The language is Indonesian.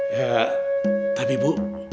ya tapi bu